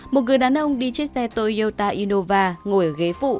một người đàn ông đi chiếc xe toyota innova ngồi ở ghế phụ